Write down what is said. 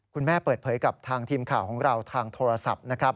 เปิดเผยกับทางทีมข่าวของเราทางโทรศัพท์นะครับ